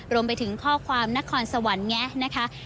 รวมไปถึงข้อความนครสวรรค์แงะนะคะ